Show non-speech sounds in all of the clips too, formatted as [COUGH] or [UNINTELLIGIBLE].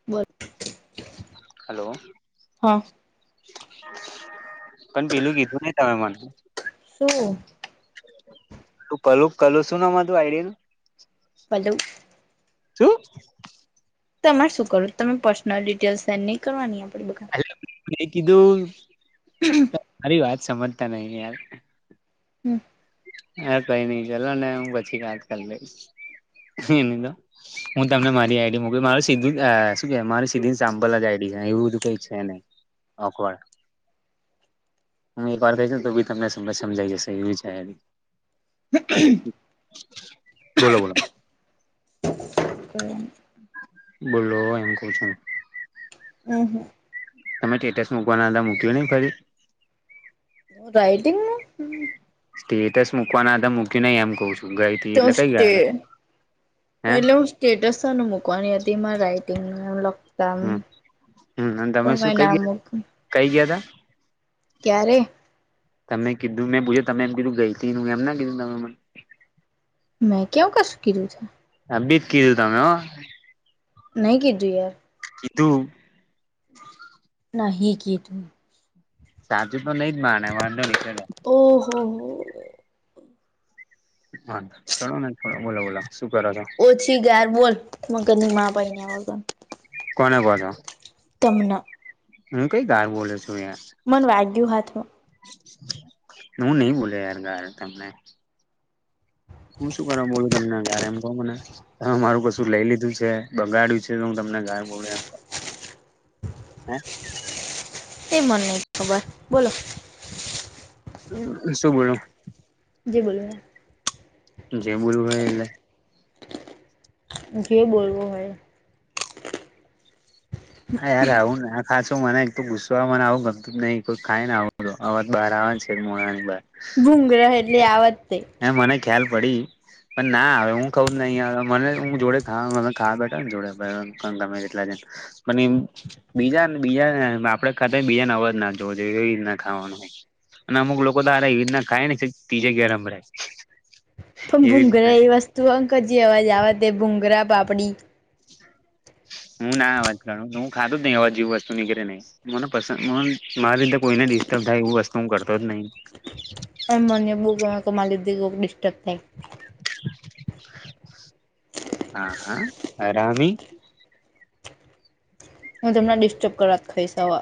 બંધ હલો પણ પેલું કીધું નહી તમે મને શું તું ક કલું શું તું આઈડિયા ન હેલો [UNINTELLIGIBLE] તમારે શું કરું તમે પર્સનલ ડિટેલ્ સેન્ડ નહીં કરવાની આપે બધા કીધું હમ મારી વાત સાંભળતા નહીને યાર હમ હા કઈ નઈ ચલો ને હું પછી વાત કરી લઈશ એની તો હું તમને મારી આઈડી મોક મારે સીધું શ મારી સીધી સામ્પલ જ આઈડી છે એવું બધું કઈ છે નહી હ કોવાળ હું એ પાર થ છે તો બી તમને સમજ સમજાઈ જશે એવી જ છે અ હ બોલો બોલો હ બોલો એમ કર્ચો હમ હમ તમે સ્ટેટસ મૂકવાના હતા મૂક્યો નઈ ફરી રાઇટિંગ સ્ટેટસ મૂકવાના હતા મૂક્યું નહી એમ ક છું ગ [UNINTELLIGIBLE] હે સ્ટેટસ મૂકવાની હતી મારા રાઈટિંગ કામ હમ હમ અને તમે શું પણ કઈ ના ગયા મૂક્યું કઈ ગયા હતા ક્યારે તમે કીધું મેં તમે એમ કીધું ગઈ એમ ના કીધું તમે મને મેં ક્યાવ કશું કીધું છે હ બી જ કીધું તમે નહી કીધું યાર કીધું નહી કીધું સાચું તો નઈ જ માને વાંધો નઈ ચાલો ઓહો હો હા ચલોને બોલો બોલા શું કરો છો પછી ગાયા બોલ મગજ ની મા પૈણીયા વગર કોને કો છો તમના હું કઈ ગાર બોલો છું યાર મન વાગ્યું હાથમાં હું નહી બોલિયો યાર ગાર તમને હું શું કરવા બોલું તમને ગાર એમ કોહ મને તમે મારું કશું લઈ લીધું છે બગાડ્યું છે તો હું તમને ગાર બોલૂ એમ કો એ મન નઈ ખબર બોલો શું બોલું જે બોલવું હોય એ જે બોલું હોય એટલે જે બોલવુ હોય એ આ યાર આવું ના ખાસ તો મને એટલું ગુસ્સો મને આવું ગમતું જ નહી કોઈ થાય ને આવ આવાત બહાર આવવા છે મોણા ની બાર ભૂંગ્ર એટલી આ વતતે એ મને ખ્યાલ પડી પણ ના હવે હું ખઉું જ નહી આવે મને હું જોડે ખા મ ખાવા બેઠા ને જોડે ગમે કેટલા જ મને બીજાને બીજા આપડે ખાતે બીજાને અવાજ ના જોવો જોઈએ એવી રીત ના ખાવાનું અને અમુક લોકો તો એવી રીતના ખાય ને ત્રીજા ભરાય ભુંગરા એ વસ્તુ અંક જે અવાજ આવેવા તે ભૂુંગરા પાપડી હું ના અવાજ ગાું હું ખાધું જ નહી અવાજ જે વસ્તુ નીકળે નહીં મને પસંદ મારી લીધે કોઈને ડિસ્ટર્બ થાય એવું વસ્તુ હું કરતો જ નહીિ અમ મને બૂક માલીધે ડિસ્ટર્બ થાય હા હા અરામી હું તમણાં ડિસ્ટર્બ કરવા ખાઈશ. અવે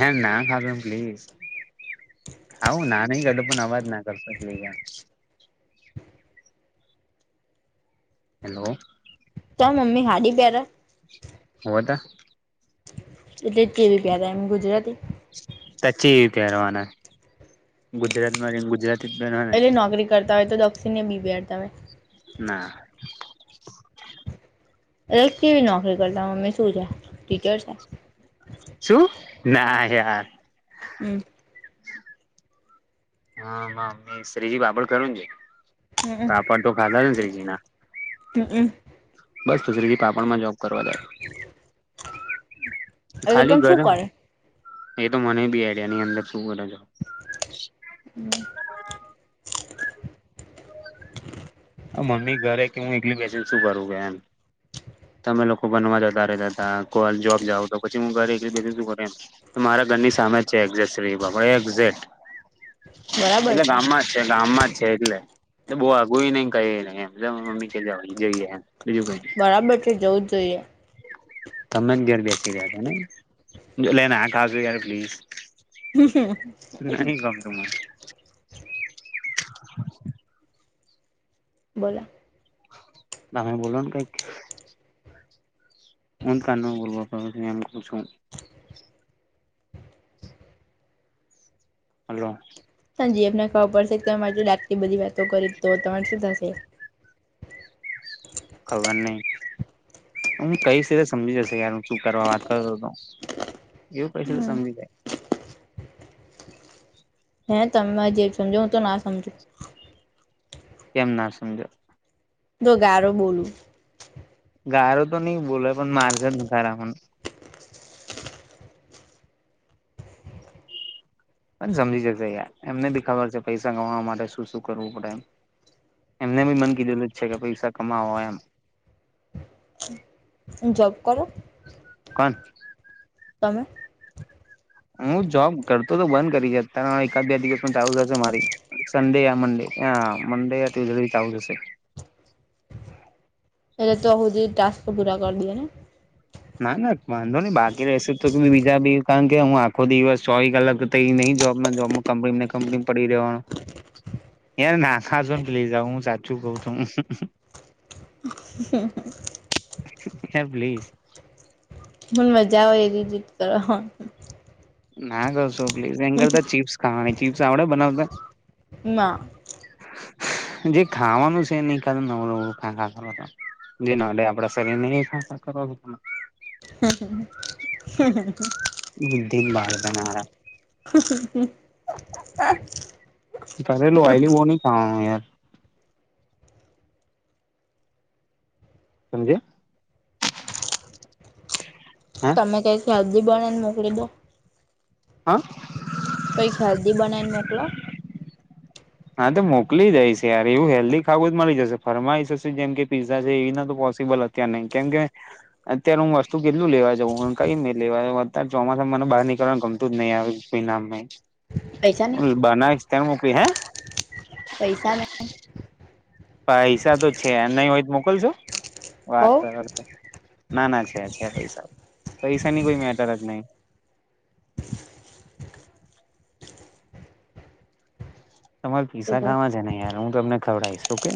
હ ના ખાવે એમ પ્લીઝ ખાવું ના નહી ગઢો પણ અવાજ નાખ ગલપ લઈયા હેલો ત મમ્મી હાડી પરે હોટ જેવી પેરે એમ ગુજરાતી સચીતે પેરવાના ગુજરાતમાં રને ગુજરાત એટલે નોકરી કરતા હોય તો દક્ષિણને બી પેરતા હોય ના રતિવી નોકરી કરતા મ્મે શું છે ટીચર છે શું ના યાર હમ હા મમ્ી શત્રીજી પાપડ કરું છે હમ પાપડ તો ખાધા છે ને શ્રીજી ના તો બસ તુરી પાપણમાં જોબ કરવા જાય એટલે ખાલી પણ શું ગરમ કરે એ તો મને બી આડિયા ની અંદર શું કર છો હમ આ મમી ઘરે કે હું એકલી બે શું કરું ગયા એમ તમે લોકો બનવા જતા રહેતા હતા કો જોબ જાાવ તો પછી હું ઘરે એક બે મારા ઘરની સામે જ છે એક્ઝે્રી એક્ઝેક્ટ એટલે ગામમાં જ છે ગામમાં જ છે એટલેલે બહુ આગું નહ કઈ નહી મમ્ી કવા જઈએમ બરાબર છે જવું જ જોઈએ તમે જ ઘર બેસી રહ્યા હતા ને લઈને આખજ યાર પ્લીઝ નહી ગમરમાં હ બોલો તમેમે બોલોન ક મન ક ગૂર્ ક છું હલો હા જી એમને ખાવા પડશે ત ડાતલી બધી વાતો કરી તો તમારે શું થશે ખબર નહી હું કઈ સીતે સમજી જશે યાર હ ચૂપ કરવા વાત કર તો એવું પૈશી તો સમજી જાય. હે તમે જે સમજો હું તો ના સમજું કેમ ના સમજો તો ગારો બોલું ગારો તો નહી બોલો પણ મારજન ગાર પણ સમજી જકશે યાર એમને બી ખબર છે પૈસા કમાવા માટે શું શું કરવું પડે એમ એમને બી મન કીધેલું જ છે કે પૈસા કમાવોય એમ જબ કરો. કોણ? તમે. હું જોબ કરતો તો બંધ કરીતા એકાદ બે દિવસ પણ ચાલુ થશે મારી. સન્ડે યા મંડે મંડે ત જલ્ચ આવી જશે. એલે તોહો જે ટાસ્ક પૂરા કરી દએ ને? ના ના વાંધો નહી બાકી રહેશે તો બીજા બી કારણ કે હું આખો દિવસ સોવી કલાક તો એંનં જોબના જોબમાં કંપનીને કંપની પડી રહેવાનો. હ. યાર નાખા ને પલી જા હું સાચું કઉછ. હે પ્લીઝ. મન મજા આવે એજીટ કરવામ. ના કરશો પ્લીસ એન કરતા ચીપ્સ ખાવાની ચીપ્સ આવડે બનાવતા? ના. જે ખાવાનું છે નહી કા નવુંવું ખા. જેના આપડા શરીર ને [UNINTELLIGIBLE] હ. બૂડી ન બાળ દના. કરે લોવાયલી બો ન કા યાર. સમજે? હા તમે કંઈક શાદી બના ને મોકલીદો. હા. કૈક હેલ્દી બનાને મોકલો. હા તો મોકલી જાયશ યાર એવું હેલ્ધી ખાવું જ મળી જશે ફરમાઈ જશે જેમ કે પીઝા છે એવી ના તો પોસિબલ હ તા નહી કેમ કે અત્યારે હું વસ્તુ કેટલું લેવા જઉં કઈ મેં લેવાઉ અત્યારે ચોમાસામાંને બાર નીકળવાનું ગમતું જ નહી આવ. પૈસા નહી નામ બનાસ તઈ મોકલી હે? અ પૈસા ને પૈસા તો છે નહી હોય તો મોકલશો? વાત હોવ કર. ના ના છે છે પૈસા, પૈસા ની કોઈ મેટર જ નહી. તમારે પૈસા ખાવા છે ને યાર હું તમને ખવડાવીશ ઓકે.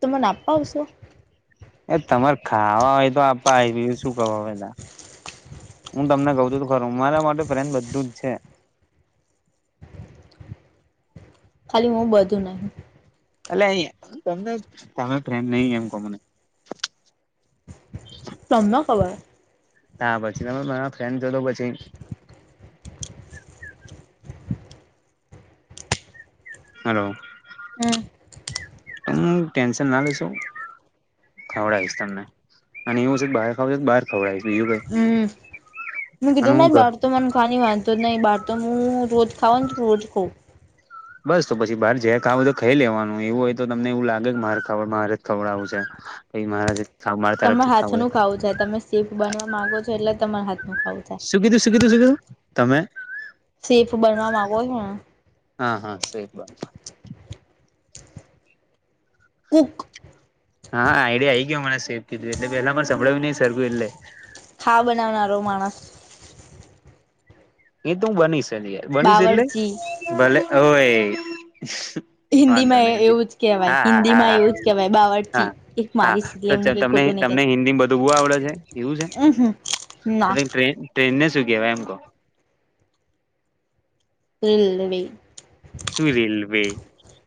તમ મને આપવશો? એ તમારે ખાવા હોય તો આપ શું કરવા હા. હું તમને કઉ છું તો ખરૂ મારા માટે ફ્રેન બધું જ છે. ખાલી હું બધું નહી. એટલે અ તમને તમે પ્રેમ નહી એમ કો મને? તમને ખબર. તા પછી તમે મારા ફ્રેન્ડ જો તો પછી. હાલો હમ હ ટેન્શન ના લઈસુ. ખવડાવીશ તમને અને એવું છે બહાર ખાવડ તો બહાર ખવડાવીશ બીજું કાંઈ? હું કીધું બહાર તો મને ખાની વાંધો જ નહી બહાર તો હું રોજ ખાઉ ને રોજ ખઉ. બસ તો પછી બહાર જ ખાવું તો ખાઈ લેવાનું એવું હોય તો તમને એવું લાગે કે મારે ખડ મારે જ ખવડાવું છે. ભાઈ મહારાજ તમાર હાથ નું ખાવું જાય તમે સીફ બનવા માંગો છો એટલે તમાર હાથનું ખાવું છે. શું કીધું, શું કીધું, શું કીધું, તમે? સેફ બનવા માંગો છો ને? હા હા સેફ બંધ. કુક હા આઈડિયા આઈ ગયો મને [UNINTELLIGIBLE] કીધું એટલે પેલા મારે સંભળાવ્યું નઈ સરખું એટલે. હાવ બનાવનારો માણસ એ તો હું બનીશ યાર બનીશ એટલે બાવરચી ભલે ઓય વાંધો હિન્દીમાં નહી એવું જ કેહેવાય હા હા હિન્દી માં હા હા એવું જ કેહેવાય બાવચી હા એક મારી તો એટલે હા ચ હું કઈ તમને ખોટું નહી તમને કેતી હિન્દી બધું બો આવડે છે એવું છે અહ ના પછી ટ્રેન ટ્રેન ને શું કહેવાય એમ કહો. રેલ્વે શું રેલવે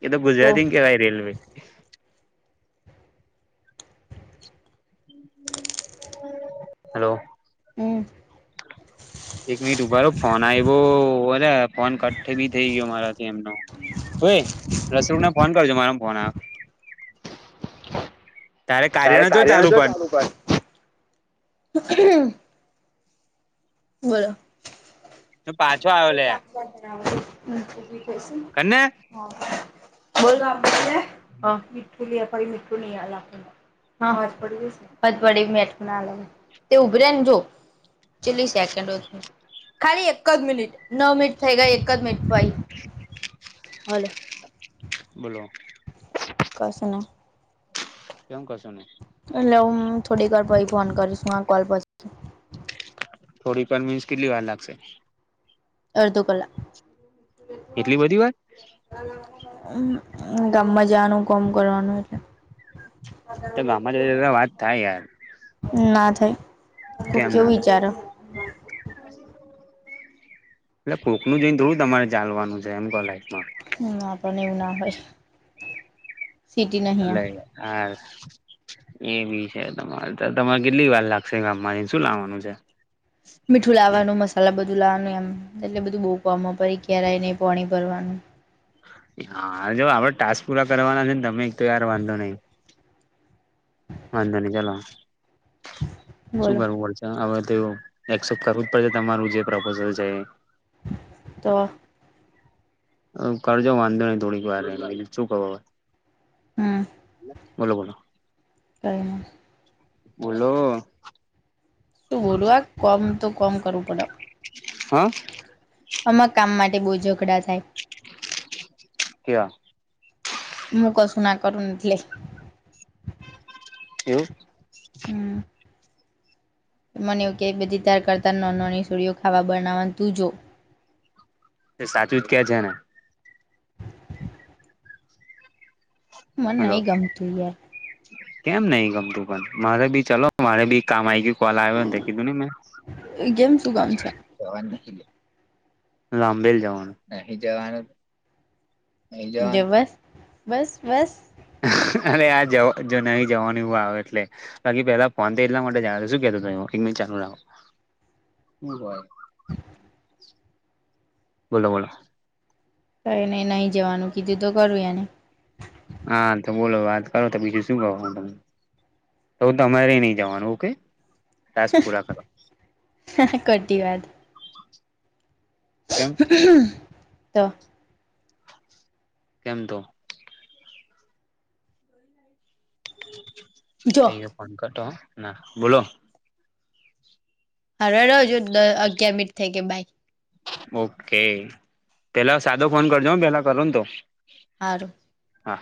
એ તો ગુજરાતીને કેવાય રેલવે [INAUDIBLE] હેલો હમ્મ. એક મિનિટ ઉભા રેહો ફોન આવ્યો ઉભા રે ફોન કટ બી થઈ ગયો મારાથી એમનો. ઓય રસુલને ફોન કરજો મારા ફોન આવે. તારે કાર્ય નો જો ચાલુ કર. બોલો તો પાછો આવે લે આ [UNINTELLIGIBLE] હને હ બોલ હ [UNINTELLIGIBLE] મીઠું લી આવ ફરી મીઠું ની આવે આપણને હા હજ પડી જશે હજ પડી મેઠૂં [UNINTELLIGIBLE] તે ઉભરે ને જો. ચીલી સેકન્ડ જ ખાલી એક જ મિનિટ નવ મિનિટ થઈ ગઈ એક જ મિનિટ ભાઈ. હલો. બોલો. કશું નહીં. કે હું કશું નઈ. એટલે હું થોડી વાર પહી ફોન કરીશું આ કોલ પછી. થોડી કન્વીન્સ કેટલી વાર લાગશે. અડધો કલાક. એટલી બધી વાર હામ હું ગામમાં જાવાનું કોમ કરવાનું એટલે. તો ગામ [UNINTELLIGIBLE] તો વાત થાય યાર. ના થાય. કોક કેમ કેવું ના થાય. વિચારો એટલે કોકનું જેમ થોડું તમારે ચાલવાનું છે એમ તો લાઈફમાં. ના પણને એવું ના હોય. સિટી નહી આ આલે યાર. એ બી છે તમારે તમારે કેટલી વાર લાગશે ગામ માંથી શું લાવવાનું છે? મીઠું લાવવાનું મસાલા બધું લાવવાનું એમ એટલે બધું બોકવામાં પાઇ ક્યારેય એને પાણી ભરવાનું. હા જો આપડે ટાસ્ક પૂરા કરવાના છે ને તમે એક તો યાર વાંધો નહી. વાંધો નહીં ચલો શું બોલો કરવું વા હવે તો એવો એક્સેપ્ટ કરવું જ પડશે તમારું જે પ્રપોઝલ છે એ. તો કરજો વાંધો નહી થોડીક વાર શું કરું હવે. હમ્મ. બોલો બોલો. કંઈ નહીં. બોલો. શું બોલું આ કોમ તો કોમ કરવું પડે. હા. આમાં કામ માટે બહુ ઝઘડા થાય. કેવા મુું કશું ના કરુંને [INAUDIBLE] એવું હમ્મ મને એવું કે બધી તાર કરતા ન નની સુળીઓ ખાવા બનાવાનું તું જો, સાચું જ કે છે ને, મને હલો નહી ગમતું એ કેમ નહિ, ગમતું પણ મારે બી ચલો મારે બી કામ ગયું કોલ આવ્યો કીધું ને મેં એ ગેમ શું કામ છે? [UNINTELLIGIBLE] નહી જો જવાનું. બસ બસ બસ [INAUDIBLE] અરે આ જવા જો ન જવાની આવે એટલે. બાકી પેલા ફોન એટલા માટે જાણ શું કેું ત મિનટ ચાલુ રાખો. બોલો બોલો કઇ નહી નહી જવાનું કીધું તો ખરું એને. હા, તો બોલો વાત કરો તો બીજું શું ક તમે, તો તમારે નહી જવાનું ઓકે ટાસ્ક પૂરા કરો [INAUDIBLE] ખોટી વાત [INAUDIBLE] તો કેમ તો. જો કયો ફોન કરતો ના બોલો [INAUDIBLE] અગિયાર મિનિટ થઈ કે બાય ઓકે પેલા સાદો ફોન કરજો પેલા કરું ને તો. હારું હા.